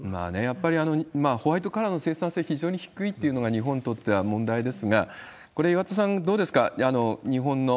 やっぱりホワイトカラーの生産性非常に低いというのが日本にとっては問題ですが、これ、岩田さん、どうですか？